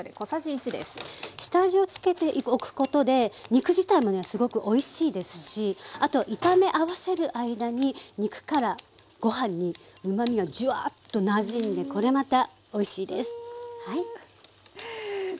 下味をつけておくことで肉自体もねすごくおいしいですしあと炒め合わせる間に肉からご飯にうまみがジュワーッとなじんでこれまたおいしいです。